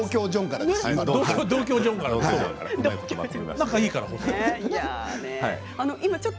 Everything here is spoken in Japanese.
仲がいいから。